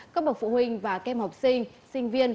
các bậc phụ huynh và kem học sinh